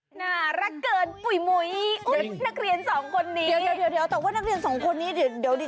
หลักเกินปุ๋ยนักเรียนสองคนนี้แต่ว่านักเรียนสองคนนี้เดี๋ยวนี้